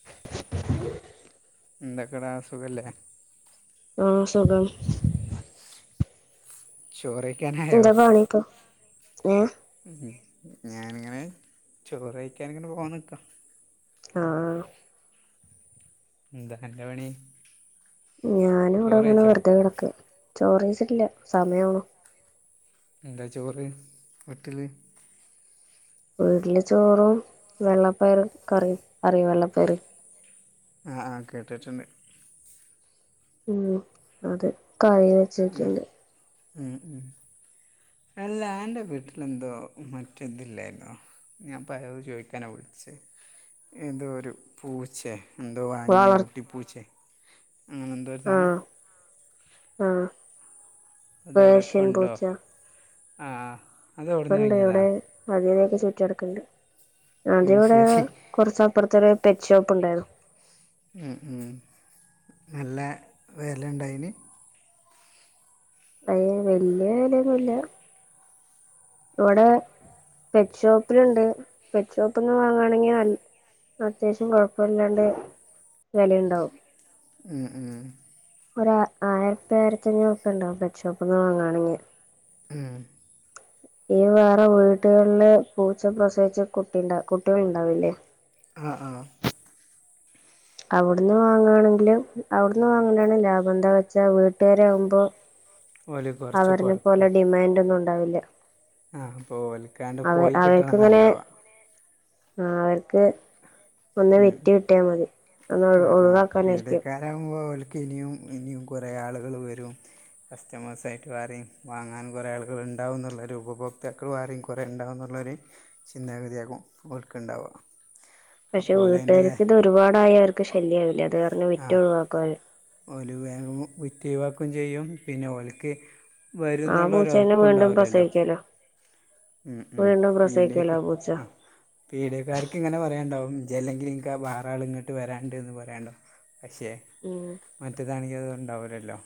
[inaudible] എന്തക്കടാ സുഖല്ലേ? ആഹ് സുഖം. ചോറൈക്കാനാ. എന്തോന്നാണിപ്പൊ ഏഹ്. ഉം ഞാനിങ്ങനെ ചോറയിക്കാനിങ്ങനെ പോകാ നിക്കാ അ ആഹ്. എന്താ അന്റെ പണി? ഞാനും ചോറ് ഇവ്ടെങ്ങനെ കഴിച്ചോ വെറുതെ കെട്ക്ക ചോറൈച്ച്ട്ടില്ല സമയ ആവ്ണു. എന്താ ചോറ് വീട്ടിൽ? വീട്ടില് ചോറും വെള്ളപ്പയർ കറിം കറി വെള്ളപ്പയർ. ആ ആഹ് കേട്ടിട്ടുണ്ട്. ഉം അത് കറിയാ. ഉം ഉം ഉ. അല്ല അന്റെ വീട്ടിൽ എന്തോ മറ്റ ഇതില്ലായ്ര്ന്നോ. ഞാൻ പ്പത് ചോദിക്കാനാണ് വിളിച്ചത് എന്തോ ഒരു പൂച്ചേ. എന്തോ വാങ്ങി വളർ ഊട്ടിപ്പൂച്ചേ അങ്ങനെ എന്തോ ഒരു സാനം. ആഹ് ആഹ് പേർഷ്യൻ പൂച്ച. ആഹ്. ഇപ്പണ്ട് ഇവ്ടെ മതിലൊക്കെ ചുറ്റ്യ ട്ക്ക്ണ്ട് ഉം ആദ്യം ഇവ്ടെ. ശരി കൊർച്ച് അപ്പൊർത്തൊരു പെറ്റ് ഷോപ്പ് ഉണ്ടായിരന്നു ഹ്മ് ഹ്മ് നല്ല വെല ഇണ്ടായ്ന്. അയ് വല്ല്യ വെലൊന്നുല്ല ഇവടെ. പെറ്റ് ഷോപ്പിൽണ്ട് പെറ്റ് ഷോപ്പ്ന്ന് വാങ്ങാണെങ്കി നല്ല. അത്യാവ്ശ്യം കൊഴപ്പല്ലാണ്ട് വെലയിണ്ടാവും. മ് ഹും ഒര് ആയിരത്തി ആയിരത്തഞ്ഞൂറുപ്പ്യണ്ടാവും പെറ്റ്ഷോപ്പ്ന്ന് വാങ്ങാണെങ്കി. മഹ് ഈ വേറെ വീടുകളില് പൂച്ച പ്രസവിച്ച കുട്ടിണ്ട കുട്ടികള്ണ്ടാവില്ലേ. ആഹ് ആഹ്. അവിടുന്ന് വാങ്ങാണെങ്കില് അവിടുന്ന് വാങ്ങലാണ് ലാഭം എന്താ വെച്ചാ വീട്ടുകാരാവുമ്പോ. [inaudible] കുറച്ച് അവരിനെ പോലെ ഡിമാന്റൊന്നും ഉണ്ടാവില്ല. ആഹ് അപ്പോ ഓൽക്കാണ്ട് അവ പോയി കിട്ടണംന്ന ഇണ്ടാവ. ആഹ് അവർക്ക് ഒന്ന് ഉം. വിറ്റ് കിട്ട്യാമതി ഒന്ന് ഒഴ് ഒഴിവാക്കാനായിരിക്കും. ഇതാവുമ്പോ ആവെൽക്ക് ഇനിയും ഇനിയും കൊറേ ആളുകൾ വരും. കസ്റ്റമേഴ്സായിട്ട് ആരും വാങ്ങാൻ കൊറേ ആളുകൾ ഇണ്ടാവുംന്നുള്ളൊരുപഭോക്താക്കൾ ആരിം കൊറേ ഇണ്ടാകുന്നുള്ളൊരു ചിന്താഗതിയാകും ഓൽക്ക് ഇണ്ടാവ. പക്ഷെ വീട്ടാര്ക്ക് ഇത് ഒരുപാടായവർക്ക് ശല്യ ആവില്ലെ അത് കാര്ണം വിറ്റ് ഒഴിവാക്കോല്. ഓര് വേഗം വിറ്റൊഴിവാക്കേം ചെയ്യും പിന്ന് ഓൽക്ക് ആ വരുന്നൊള്ളൊരു പൂച്ചേനെ വീണ്ടും ഉറപ്പുണ്ടാവൂല്ലല്ലോ പ്രസവിക്കലോ ഉം ഉം വീണ്ടും പ്രസവിക്കലോ പിയിലേക്ക് ആ പൂച്ച ആഹ് പീടിയക്കാർക്ക് ഇങ്ങനെ പറയണ്ടാവും ഇജ്ജ് അല്ലെങ്കി ങ്ങക്ക് വാറെ ആള് ഇങ്ങട്ട് വരാ ഉണ്ടേന്ന് പറയാല്ലോ പക്ഷെ ഉം മറ്റേതാണെങ്കി അത് ഉണ്ടാവൂല്ലല്ലോ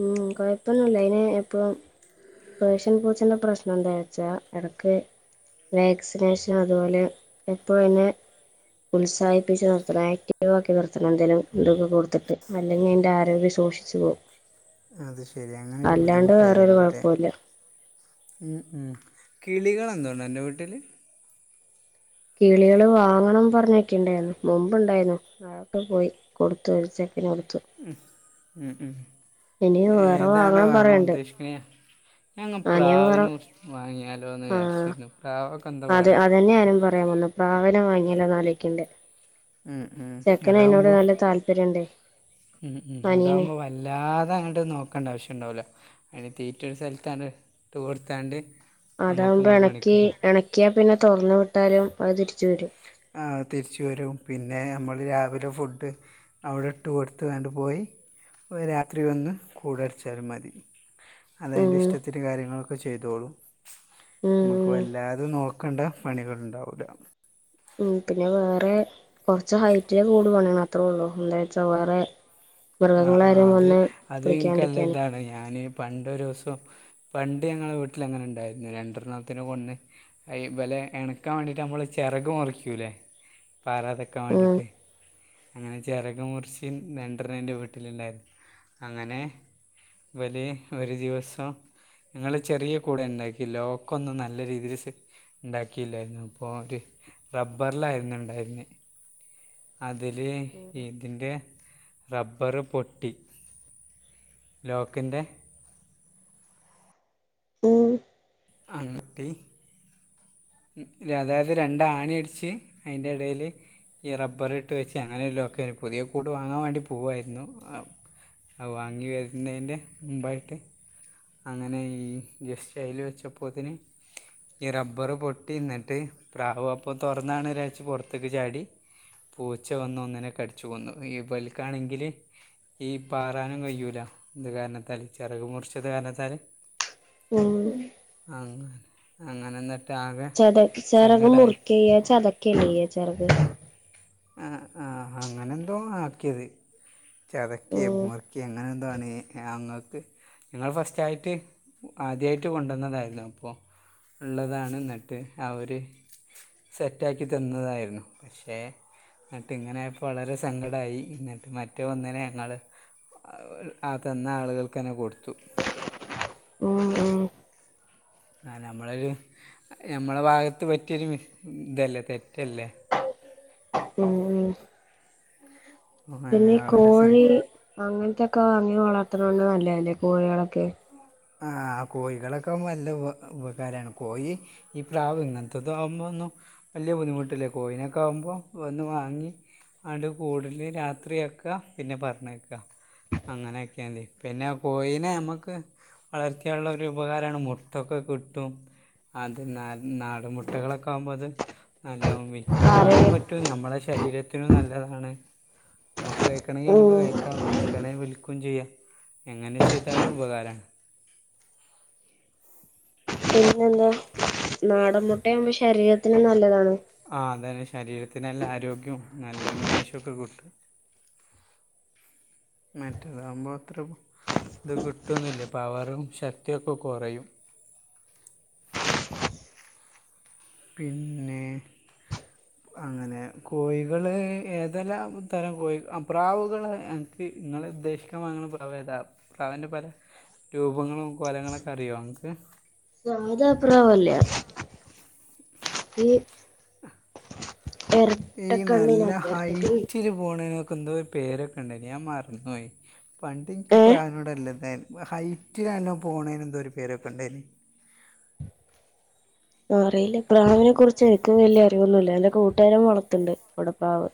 ഉം കൊയപ്പൊന്നുംല്ല്യ അയിന് ഇപ്പം പേർഷ്യൻ പൂച്ചേന്റെ പ്രശ്നം എന്താ യ്ച്ചാ എടക്ക് വാക്സിനേഷൻ അതുപോലെ എപ്പഴും അയിനെ ഉത്സാഹിപ്പിച്ച് നിർത്തണം ആക്റ്റീവാക്കി നിർത്തണം എന്തേലും ഇതൊക്കെ കൊടുത്തിട്ട് അല്ലെങ്കി അയിന്റെ ആരോഗ്യം ദോക്ഷിച്ചു പോകും അത് ശെരി അങ്ങനൊരു അല്ലാണ്ട് ബുദ്ധിമുട്ടായി ഇല്ലേ വേറൊരു നിങ്ങക്ക് ഇതെ കുഴപ്പമില്ല ഉം ഉം കിളികൾ എന്തോണ്ട് നിന്റെ വീട്ടില് കിളികളെ വാങ്ങണം പറഞ്ഞിക്കിണ്ടായിരുന്നു മുമ്പുണ്ടായിരുന്നു അതൊക്കെ പോയി കൊടുത്തു ഒരു ചെക്കന് കൊടുത്തു ഉം ഉം ഉം ഇനി വേറെ ഏതാണ് വാങ്ങണം വാങ്ങാൻ പറയണ്ട് ഉദ്ദേശിക്കണ് ഞങ്ങ അനിയൻ വേറെ പ്രാവിനെ വാങ്ങിയാലോ എന്ന് വിചാരിച്ചിരിക്കുന്നു പ്രാവൊക്കെ ഉണ്ടോ അവിടെ തന്നെ ആരും പ പറയാൻ വന്ന് പ്രാവിനെ വാങ്ങിയാലോന്ന് ആലോയിക്കണ്ട് ഉം ഉം ചെക്കനയിനോട് അതാവുമ്പോൾ നല്ല താല്പര്യുണ്ടേ ഉം ഉം അതാവുമ്പോ വല്ലാതെ അങ്ങട്ട് നോക്കണ്ട ആവശ്യംണ്ടാവൂല്ല അയിന് തീറ്റ ഒരു സ്ഥലത്താണ് ഇട്ട് കൊടുത്താണ്ട് നമുക്ക് അതാവുമ്പോ നമ്മളെ പണിക്ക് എണക്കി പോകാം എണക്കിയാ പിന്നെ തൊറന്ന് വിട്ടാലും അത് തിരിച്ചു വരും ആഹ് അത് തിരിച്ചു വരും പിന്നെ മ്മള് രാവിലെ ഫുഡ് അവിടെ ഇട്ട് കൊടുത്ത് ആണ്ട് പോയി പ്പൊ രാത്രി വന്ന് കൂട് അടച്ചാലും മതി അതയിന്റെ ഉം ഇഷ്ടത്തിന് കാര്യങ്ങളൊക്കെ ചെയ്തോളും നമുക്ക് ഉം വല്ലാതെ നോക്കണ്ട പണികൾ ഉണ്ടാവൂലാ ഉം പിന്നെ വേറെ കൊറച്ച് ഹൈറ്റില് കൂടു പണിയണം അത്രേ ഉള്ളൂ എന്താച്ചാ വേറെ ആഹ് ആഹ് മൃഗങ്ങളാരും അത് വന്ന് അത് എനിക്ക്ല്ല പിടിക്കാണ്ടിരിക്കാന് ഇതാണ് ഞാന് പണ്ടൊരൂസം പണ്ട് ഞങ്ങളടെ വീട്ടില് അങ്ങനൊണ്ടായിരുന്നു രണ്ടെണ്ണത്തിന് കൊന്ന് അ ഇവലെ എണക്കാൻ വേണ്ടീട്ട് നമ്മള് ചെറക് മുറിക്കൂല്ലേ പാറാതിരിക്കാൻ ഉം വേണ്ടീട്ടേ അങ്ങനെ ചെറക് മുറിച്ച്ന്നെന്ത്ര എന്റെ വീട്ടിലുണ്ടായിരുന്നു അങ്ങനെ ഇവര് ഒരു ദിവസം ങ്ങള് ചെറിയ കൂടാ ഉണ്ടാക്കി ലോക്കൊന്നും നല്ല രീതീല് സെ ഇണ്ടാക്കില്ലായിരുന്നു. അപ്പോ [unintelligible] റബ്ബറ്ലായിരുന്നു ഇണ്ടായിരുന്നെ അതില് ഇതിന്റെ റബ്ബറ് പൊട്ടി. ലോക്കിൻ്റെ ഉം അന്നിട്ടി. ഉം അതായത് രണ്ടാണി അടിച്ച് അയിന്റെ എടേല്. ഈ റബ്ബറിട്ട് വെച്ച് അങ്ങനെയാ ലോക്ക് പുതിയ കൂട് വാങ്ങാൻ വേണ്ടി പോവേയിരുന്നു. അത് വാങ്ങി വരുന്നേൻ്റെ മുമ്പായിട്ട്. അങ്ങനെ ഈ ജസ്റ്റയില് വെച്ചപ്പോത്തിന് ഈ റബ്ബറ് പൊ ട്ടി ന്നട്ട് പ്രാവ് അപ്പം തൊറന്നാണ് രാച്ച് പൊറ്ത്ത്ക്ക് ചാടി പൂച്ച വന്ന് ഒന്നിനെ കടിച്ചു കൊന്നു. ഇബൽക്കാണെങ്കില്. ഈ പാറാനും കഴിയൂല്ല. ഇന്റ കാരണത്താല് ചെറക് മുറിച്ചത് കാരണത്താല്. ഉം അങ്ങെനെ അങ്ങനെ ന്നട്ട് ആകെ അതെ ചെറക് സങ്കടമായി മുറിക്ക്യെയ്യ ചതക്ക്യല്ലെ യ്യാ ചെറക് ആഹ് ആഹ് അങ്ങനെന്തോ ആക്കിയത്. ചതക്കെ ഉം മുറിക്കെ അങ്ങനെ എന്താണ് ഞങ്ങക്ക്. ഇങ്ങള് ഫസ്റ്റായിട്ട് ആദ്യായിട്ട് കൊണ്ടന്നതായിൻന്നൊല്ലൊ ഇപ്പോ. ഉള്ളതാണ് ഇന്നട്ട് അവര് സെറ്റ് ആക്കി തന്നതായിരുന്നു പക്ഷേ. ഇന്നട്ട് ഇങ്ങനെ ഫളരെ സങ്കടായി ഇന്നട്ട് മറ്റോന്നിനെ നാള് അത് തന്ന ആളുകൾക്കെന്നെ കൊടുത്തു. ഉം ഉം. ആ നമ്മളൊരു ഞമ്മള ഭാഗത്ത് പറ്റിയൊരു ഇതല്ലേ തെറ്റല്ലെ. ഉം ഉം അങ്ങനെ പിന്നെ ഈ വളരെ സ കോഴി അങ്ങൻത്തൊക്കെ വാങ്ങി വളർത്ത്ണോണ്ട് നല്ലത് അല്ലേ കോഴ്യേളൊക്കെ. ആഹ് കോഴികളൊക്കെ നല്ല ഉപകാരാണ് കോഴി. ഈ പ്രാവ് ഇങ്ങൻതൊ തൊആവുമ്പന്നു. വല്യ ബുദ്ധിമുട്ടില്ലെ. കോയിനൊക്കെ ആകുമ്പോ വന്ന് വാങ്ങി. അണ്ട് കൂടല് രാത്രിയാക്ക. പിന്നെ പറഞ്ഞേയ്ക്ക. അങ്ങനെ ആക്ക്യാണ്ടി. പിന്നെ കോഴിനെ ഞമക്ക്. വളർത്ത്യാള്ളരു ഉപകാരാണ് മുട്ടൊക്കെ കിട്ടും. അത് നാട് നാടൻ മുട്ടകളൊക്കെ ആകുമ്പോ അത്. നല്ലോ കറി വിക്കാനും പറ്റൂ ഞമ്മളെ ശരീരത്തിനും നല്ലതാണ്. നമക്ക് കഴിക്കണമെങ്കി നമുക്ക് ഉം കഴിക്കാം. വിൽക്കണെ വിൽക്കണെ വിൽക്കും ചെയ്യാം. എങ്ങനെ ചെയ്താലും ഉപകാരാണ്. പിന്നെന്താ നാടൻ മുട്ടയാകുമ്പോ ശരീരത്തിന് നല്ലതാണ്. ആ അതെ ശരീരത്തിന് നല്ല ആരോ ഗ്യം നല്ല ഉന്മേഷെക്കെ കിട്ടും. മറ്റേതാകുമ്പോ അത്ര ഇത് കിട്ടാന്നില്ല പവറും ശക്തിയൊക്കെ കൊറയും. പിന്നെ. അങ്ങനെ കോഴികള് ഏതെല്ലാം തരം കോഴി അപ്രാവുകൾ. ക്ക് ഇങ്ങളെ ഉദ്ദേശിക്കാൻ വാങ്ങ്ണ പ്ടവേത പവന്റെ പലെ. രൂപങ്ങളും കൊലങ്ങളൊക്കെ അറിയൊ ഇങ് ക്ക്. ഇതാ പ്രാവെല്ലേ ഈ.. ഈ നല്ല എരട്ടക്കണ്ണിനറിയോ എരട്ടക്കണ്ണി ഹൈറ്റില് പോണേനൊക്കെ എന്തോ ഒരു പേരൊക്കെ ഇണ്ടായിനി ഞാൻ മറന്നോയി. പണ്ട് ഇൻക്ക് ഏഹ് പ്രാനോടല്ല ന്നെ ഹൈറ്റിലാൻല്ലോ പോണേന് എന്തോ രു പേരൊക്കെ ഉണ്ടായിനി. ആറിയില്ല. പ്രാണവിനെ കുറിച്ച് എനിക്ക് വല്യ അറിവൊന്നുല്ല. എന്റെ കൂട്ടുകാരൻ വളർത്ത്ണ്ട് അടെ പ്രാവ്.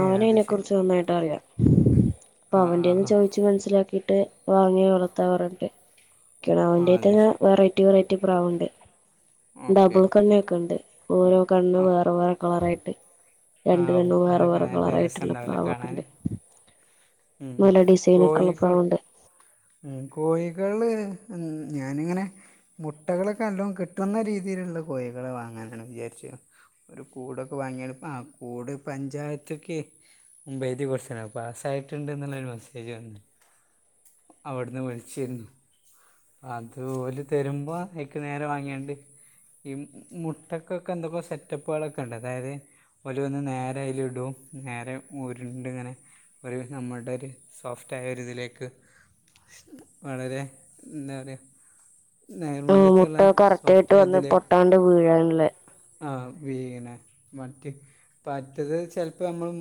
ഏ അത് അവനയ്നെ കുറിച്ച് ശരി നന്നായിട്ട് അറിയ. അപ്പൊ ആ ആ അവന്റെന്ന് ആ ചോയ്ച്ച ഇച്ച് മനസ്സിലാക്കിയിട്ട് വാങ്ങി വളർത്താറ്ണ്ട്. ആ ക്കിണാവ്ന്റെ അത് [unintelligible] ശരി വേറെ ടി വെറൈറ്റി പ്രാവുണ്ട്. ഓക്കെ ഡബിൾ ഓക്കെ കണ്ണൊക്കെ ഇണ്ട്. ഓരോ കണ്ണ് വേറെ വേറെ കളറായിട്ട്. രണ്ട് ആവു. കണ്ണ് വേറെ അതൊക്കെ വേറെ നല്ലെ രസ കളറായിട്ടുള്ള ണ്ടാവുല്ലെ പ്രാവൊക്കെ കാണാന് ഉണ്ട് ഉം നല്ല ഡിസൈനൊക്കെ ഉള്ള കോഴിക്കു പ്രാവുണ്ട് ഉം കോഴികള് ഞാനിങ്ങനെ. മുട്ടകളൊക്കെ ന്നല്ലോം കിട്ടുന്ന രീതിയില്ള്ള കോയികളെ വാങ്ങാനാണ് വിജാര്ച്ചിണെ. ഒരു കൂടൊക്കെ വാങ്ങ്യാണ് പ്പാ കൂട് പഞ്ചായത്ത്ക്കെ. മ്പൈതി കൊട്ത്ത്ണ് പാസായിട്ടുണ്ട് ന്നുള്ളരു മെസ്സേജ് വന്നു. അവട്ന്ന് വിളിച്ചിര്ന്നു. അത് ഓല് തരുമ്പോ അയ്ക്ക് നേരം വാങ്ങ്യാണ്ട്. ഈ മുട്ടക്കൊക്കെ എന്തൊക്കെ സെറ്റപ്പുകളൊക്കെണ്ട് അതായ്ത്. ഒര് വന്ന് നേരെ അയ്ല്ടും നേരെ ഉരുണ്ട്ങ്ങനെ. നമ്മൾടെ ഒര് സോഫ്റ്റായ ഒരിതിലേക്ക്. [unintelligible] വളരെ എന്ത പറ്യ. ആ മുട്ട നേർമല്യത്ത്ള്ളെ കറക്റ്റ് ആയിട്ട് വന്ന് സോഫ്റ്റായതിലേക്ക്. പൊട്ടാണ്ട് വീഴാനുള്ള ആഹ് വീണെ മറ്റെ. പറ്റത് ചെൽപ്പ നമ്മള്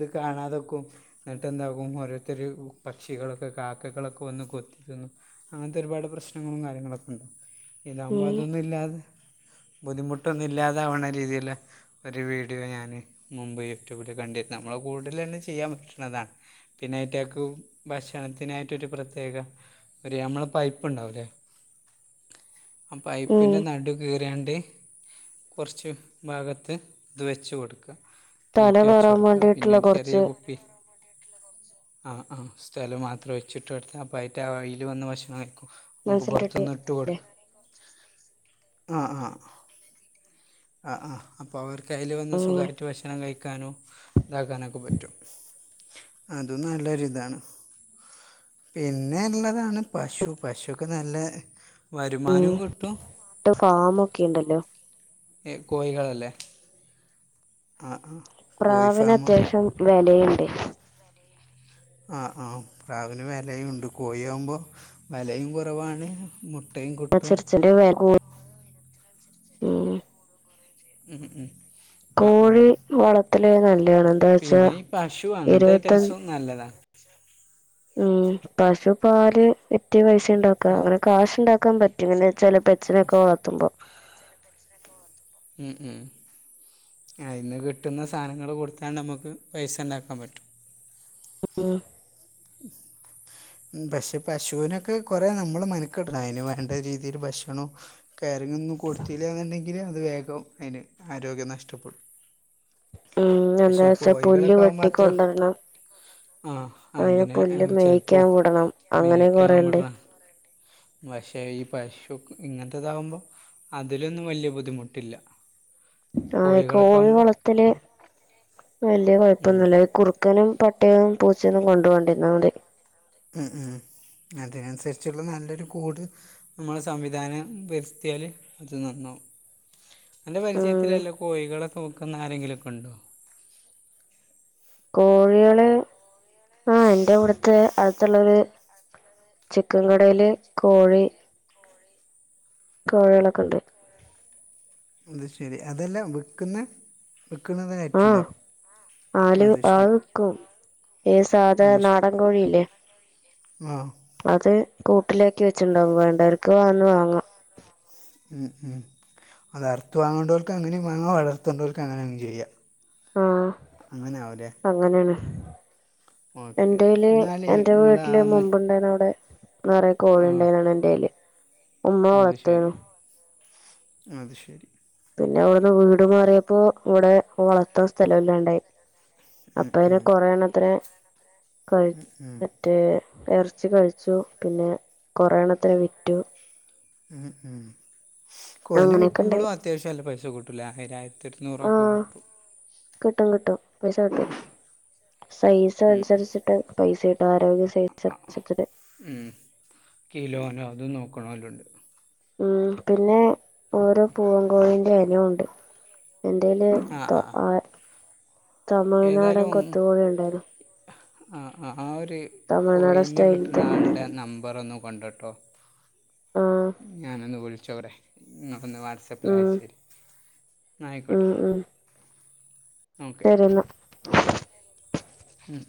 ത് കാണാതക്കും. ന്നട്ടെന്താകും ഓരോര്ത്തര് ഉ പക്ഷികളൊക്കെ കാക്കകളൊക്കെ വന്ന് കൊത്തിത്ത്ന്ന്. അങ്ങൻത്തൊരുപാട് പ്രശ്നങ്ങളും കാര്യങ്ങളൊക്കെണ്ടാവു ഇതാവ്മ്പൊ ഉം അതൊന്നു ഇല്ലാതെ. ബുദ്ധിമുട്ടൊന്നുല്ലാതാവണ രീതിയില്. ഒരു വീഡിയോ ഞാന് മുമ്പ് യൂട്യൂബില് കണ്ടിര്ന്നു നമ്മള് കൂട്ട്ലല്ലെ ചെയ്യാ പറ്റും. ന്നത പിന്നയ്റ്റക്ക് ഭക്ഷണത്തിനായിട്ടൊരു പ്രത്യേക. ഒര് ഞ്ഞമ്മള പൈപ്പ്ണ്ടാവുലേ. ആ ഉം പൈപ്പിന്റെ നടു കീറ്യാണ്ട് കൊർച്ച്. ഭാഗത്ത് ത് വെച്ച് കൊട്ക്ക തല തീറ്റ വെച്ച് കയറാൻ കൊട്ക്കാം പിന്നെ വേണ്ടിയിട്ടുള്ള ഒരു ചെറിയ കുറച്ച് കുപ്പി. ആഹ് ആഹ് സ്ഥലം മാത്രം ഒയ്ച്ചിട്ടൊട്ത്ത അപ്പയ്റ്റ അയില് വന്ന് ഭക്ഷണം കയ്ക്കു. മുക്ക് മനസ്സിലായിട്ട് പൊർത്ത്ന്ന് ഇട്ട് കൊട്ക്ക. ആഹ് ആഹ് അ ആഹ് അപ്പവർ. കെയ്ല് വന്ന് ഉം സുഖായിട്ട് ഭക്ഷണം കഴിക്കാനോ താക്കാനൊക്ക പറ്റും. അതും നല്ലൊരു ഇതാണ്. പിന്നെള്ളതാണ് പശു പശുക്കെ നല്ല. ഉം വരുമാനും കിട്ടു. ഫാമൊക്കെ ഉണ്ടല്ലോ ഏ കോയികളല്ലേ ആഹ് ആഹ്. പ്രാവ്നത്യാവശ്യം വെലീണ്ട്. ആഹ് ആഹ് പ്രാവിന് വെലയുണ്ട് കോയാമ്പൊ വെലയും കുറവാണ് മു അ ചെർ ചെറ്യ [unintelligible] ഉം ഉം ആഹ് ഓ. വളത്തല് നല്ലാണ് ന്താ വെച്ചാ പശു അങ്ങനത്തെ ഇരുപത്ത ഐറ്റംസും നല്ലതാണ് ഉം പശു പാല് വിറ്റ് പൈസണ്ടാക്കാ അങ്ങന കാശ്ണ്ടാക്കാൻ പറ്റും എങ്ങനെച്ചാല് പെറ്റ്സിനെക്കെ വളർത്തുമ്പം. ഉം ഉം അതിന്ന് കിട്ടുന്ന സാനങ്ങള് കൊട്ത്താണ്ടമ്മക്ക് പൈസണ്ടാക്കാ പറ്റും. ഉം. [inaudible] ഉം പക്ഷെ പശൂനൊക്ക കൊറേ നമ്മള് മനക്കട്ണ അയിന് വേണ്ട രീതിയില് ഭക്ഷണൊം. കെയറിങ്ങന്നും കൊട്ത്തിലാന്നുണ്ടെങ്കില് അത് വേഗം അയ്ന് ആരോഗ്യം നഷ്ടപ്പെടും. ഉം പക്ഷെ എന്താച്ചാ പുല്ല് കോഴികളൊക്കെ ആകുമ്പോൾ വെട്ടി അത്ര കൊണ്ടരണം. ആ അയ്ന് അതിനെ പുല്ല് ചിലപ്പോൾ മേക്ക്യാൻ വ്ടണം അങ്ങനെ കൊറേണ്ട്. വക്ഷേ ഈ പശു ഇങ്ങൻത്തതാവുമ്പൊ. അതിലൊന്നും വല്ല്യ ബുദ്ധിമുട്ടില്ല. ആഹ് കോഴികളൊക്കെ കോഴി ആകുമ്പോൾ വളത്തല് വല്ല്യ ഉം. കൊയ്പ്പൊന്നുല്ല ഇ കുർ ക്കനും പട്ടിയും പൂച്ചെന്നും കൊണ്ടു പോവാണ്ടിര്ന്നാ മതി. ഉം ഉം അതിനൻസര്ച്ചുള്ള നല്ലൊരു കൂട്. മ്മള് സംവിധാനം വര്ത്ത്യാല് അത് നന്നവും. അന്റെ ഉം പരിജയത്തിലല്ലോ കോയികളെക്കെ വിക്ക്ന്ന ആരെങ്കിലൊക്കുണ്ടോ. കോഴ്യാള്. ആ എന്റെ ഇവിടുത്തെ അട്ത്തുള്ളൊരു ചിക്കൻ കടേല് കോഴി കോഴികളൊക്കെണ്ട് അത് ശരി അതെല്ലാം വിക്കുന്ന വിക്കുന്നതിനായിട്ടുണ്ടോ ആഹ് ആല് ആള് വിക്കും ഏ സാധാ നാടൻ കോഴില്ലേ ആഹ് അത് കൂട്ടിലാക്കി വെച്ചിണ്ടാവും വേണ്ടവർക്ക് വന്ന് വാങ്ങാം ഉം ഉം അത് അർത്ത് വാങ്ങണ്ടോർക്ക് അങ്ങനെം വാങ്ങാം വളർത്തണ്ടോർക്ക് അങ്ങനെ അങ് ചെയ്യാം ആഹ് അങ്ങനെ ആവും അല്ലേ അങ്ങനെയാണ് ഓക്കെ എന്റെയില് എന്നാലേ എന്റെ നിങ്ങൾ ആ വീട്ടില് മ മുമ്പുണ്ടായിന്ന് അവിടെ നറെ കോഴി ആ ഇണ്ടായിരുന്നു എന്റെേയില് അത് ശരി അത് ശരി പിന്നെ അവിടുന്ന് വീട് മാറിയപ്പോ ഇവിടെ ഓളത്ത അവസ്ഥല്ല ഇല്ലാണ്ടായി ഉം അപ്പൊ പിന്നെ ഉം കൊറേണ്ണത്തിനെ ഉം മറ്റേ എറച്ചി കഴിച്ചു പിന്നെ കൊറേണ്ണത്തിനെ വിറ്റു ഉം ഉം കോയിനെ അങ്ങനെയൊക്കെ ഉണ്ടായി വിക്കുമ്പോഴും അത്യാവശ്യം നല്ല പൈസ കിട്ടൂലെ ആയിരായിരത്തി ഇരുന്നൂറൊക്കെ ആഹ് കിട്ടും. കിട്ടും കിട്ടും പൈസ കിട്ടും സൈസ് ഉം അനുസരിച്ച് ട്ട് പൈസിട്ട് ആരോഗ്യ സ്ഥിതിച്ച് ഉം കിലോനോ അതും നോക്കണോല്ലൊണ്ട്. ഉം പിന്നെ ഓരോ പൂവം കോഴിന്റെ എനൊണ്ട് എന്റെല് തൊ അ ഏതാലും ഉണ്ടായിരുന്നു അ ആ ഒര് തമിഴ്നാടൻ കോയിനെ കിട്ടണ സ്റ്റൈലിത്തെ ആൾടെ നമ്പറൊന്ന് കൊണ്ട്ട്ടോ ആഹ് ഞാനൊന്ന് വിളിച്ചോടെ നിങ്ങളൊന്ന് വാട്സാപ്പിൽ ഉം അയച്ചു തരി എന്നാ ആയിക്കോട്ടെ ഉം ഉം ഓക്കെ ശരി എന്നാ ഉം